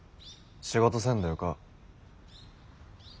仕事せんでよか。